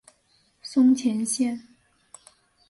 松前线。